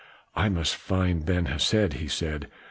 "I must find Ben Hesed," he said.